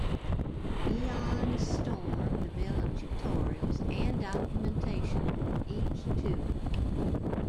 Ion Storm developed tutorials and documentation for each tool.